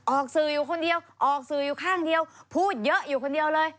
ออกสื่ออยู่คนเดียวออกสื่ออยู่ข้างเดียวพูดเยอะอยู่คนเดียวเลย